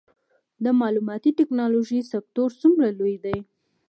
د معلوماتي ټیکنالوژۍ سکتور څومره لوی دی؟